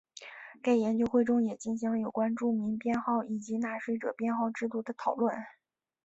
该研究会中也进行了有关住民编号以及纳税者编号制度的讨论。